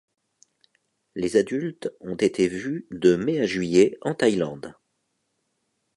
Les adultes ont été vus de mai à juillet en Thaïlande.